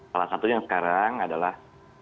salah satunya sekarang adalah